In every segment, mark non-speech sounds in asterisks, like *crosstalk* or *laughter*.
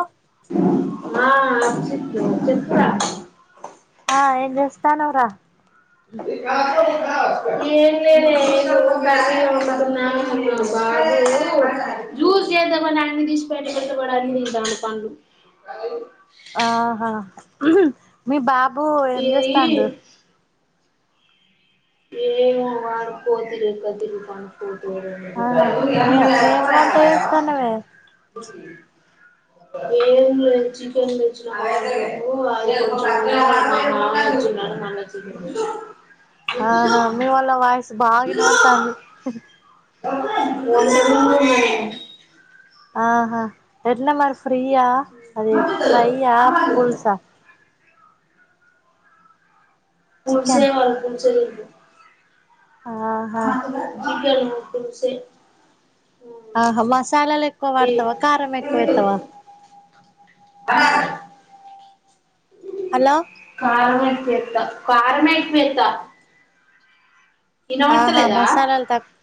ఆ ఆ చెి చెప్రా ఆ ఏం చేస్తాన్వరా *unintelligible* ఎం లేదే ఇగో జ్యూస్ చేద్దామని అన్నితీసి బయటపెడితే వాడు అన్ని తింటాండు ఆహా మీ బ పు ఏం ఈ చేస్తాండు ఏమో వాడు కోతి లెక్క తిరుగుతాండు కో ఆ ఏ ఏం వంట చేస్తానవే ఏరు చికెన్ వ చ ఆహా మీ వల్ల వాయిసు దుద్దులు బాగానబడుతాంది *unintelligible* ఆహా ఎట్లా మరి ఫ్రీయా అదే ఫ్రైయా పులుసా పూలుసే చికెన్ కావాళ్ళ పులుసే *unintelligible* ఆహా ఆ చికెన్ పుల్సే ఆహా మసాలాలు ఎక్కువ వాడతావా కారం ఎక్కువ ఎత్తావా ఆ హలో కారం ఎక్కువేత కారమే ఎక్కువేత ఆహా మసాలాలు తక్కువ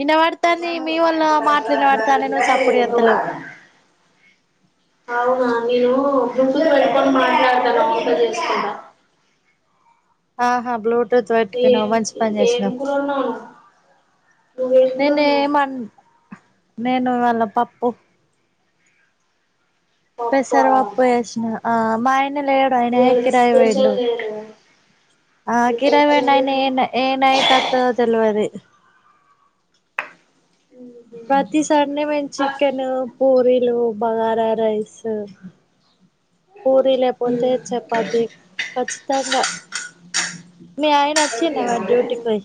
విన పడతంది మీ వల్ల మాట్లిన వాడతానే నువ్వు సప్పుడు ఎత్తలేవు. అవునా నేను గుంతు పెట్టుకొని మాట్లాడతన వంట చేసుకుంటా. ఆహా బ్లూట్ ఏం ఏం కూర వండినవు నువ్వు ఏం కురోండినవు. నేనేమన్ నేను ఇవాళ పప్పు పప్పా పెసరపప్పు చేసినా ఆ మ ఇంట్ల లే ఏడ అయినా ఇయాల కిరాయి స్పెషల్ పోయిండు. లేదు ఆ కిరావయన ఏ రేపు ఏనయిట్త్త తెలివది. ప్రతి సండే మేము చికెను పూరీలు బగారా రైస్ పూరి లేకపోతే, చెపాతి ఖచ్చితంగా మీ ఆయన వచ్చిండ డ్యూటీకి పోయి.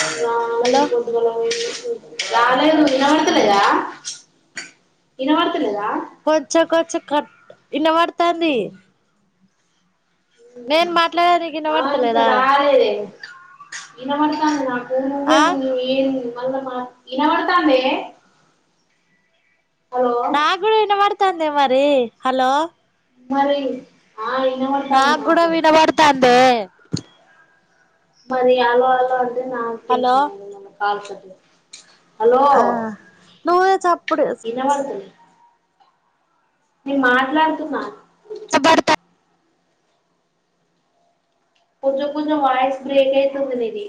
హా హలో పొదిగేల పోయిండు వస్తా లేదా ఆహా ఇనపడతలేదా కొంచెం కొంచెం కట్ ఇనపడతాంది నీకు ఆ ఇంక ఇనబడతలేదా చాలే ఇనపడుతోంది. నాకు ఆ నువ్వే ముందు ఏ మల్లా మాకి ఇనాపడతందే. నాకుడా ఇనపాడ్ తమదే మరి హలో మరి ఆ వినబడతాంది నాకు కూడా వినబడుతాందే మరి అలో అలో అ అ నాకు హలో టెన్షన్ మాట్లాడు ఆ నూయ చాపుడు న మాట్లాడతున్నా. సబర్త పూజ పూజ వయిస్ బ్రేక్ అయితది నీది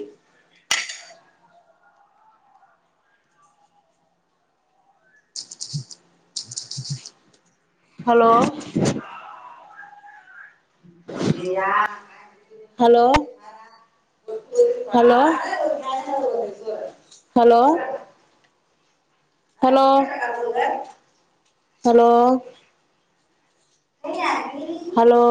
hello hello hello hello hello hello *unintelligible* hello